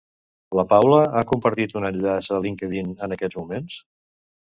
La Paula ha compartit un enllaç a LinkedIn en aquests moments?